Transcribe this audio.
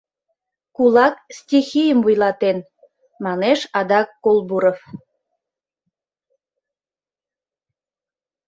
— Кулак стихийым вуйлатен, — манеш адак Колбуров.